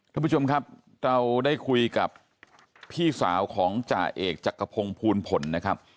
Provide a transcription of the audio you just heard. ท่านผู้ชมครับเราได้คุยกับพี่สาวของจ่าเอกจักรพงศ์ภูลผลนะครับ